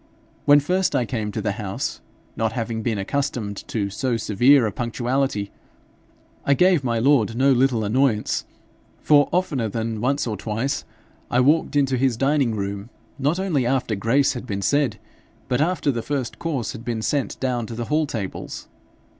When first I came to the house, not having been accustomed to so severe a punctuality, I gave my lord no little annoyance; for, oftener than once or twice, I walked into his dining room not only after grace had been said, but after the first course had been sent down to the hall tables.